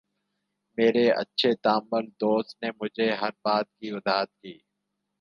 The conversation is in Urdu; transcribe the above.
میرے اچھے تامل دوست نے مجھے ہر بات کی وضاحت کی